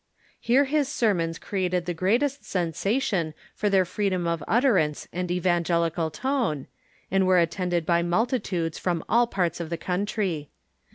Here his sermons created the greatest sensation for their freedom of utterance and evangeli cal tone, and were attended by multitudes from all parts of the country.